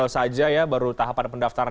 saja ya baru tahapan pendaftaran